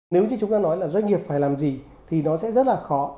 nếu như chúng ta nói là doanh nghiệp phải làm gì thì nó sẽ rất là khó